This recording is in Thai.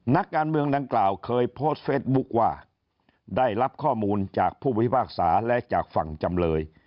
นักการเมืองดังกล่าวเคยโพสต์เฟสบุ๊คว่าได้รับข้อมูลจากผู้พิพากษาและจากฝั่งจำเลย